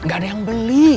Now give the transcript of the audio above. gak ada yang beli